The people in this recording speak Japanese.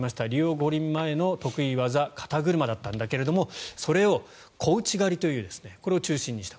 五輪前の得意技肩車だったんだけれどもそれを小内刈りというのを中心にした。